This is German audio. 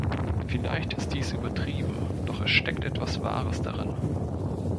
Vielleicht ist dies übertrieben, doch es steckt etwas Wahres darin.